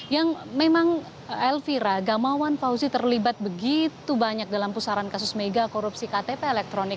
yang memang elvira gamawan fauzi terlibat begitu banyak dalam pusaran kasus mega korupsi ktp elektronik